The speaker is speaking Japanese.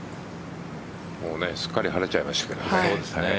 すっかり晴れちゃいましたけどね。